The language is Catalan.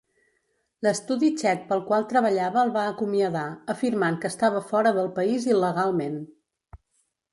L'estudi txec pel qual treballava el va acomiadar, afirmant que estava fora del país il·legalment.